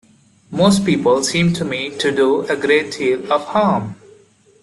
Most people seem to me to do a great deal of harm.